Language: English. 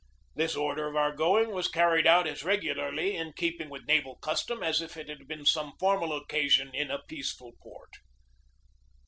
This order of our going was carried out as regularly in keeping with naval custom as if it had been some formal occasion in a peaceful port.